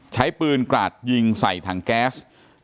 ใช้ปืนกราดยิงใส่ถังแก๊ส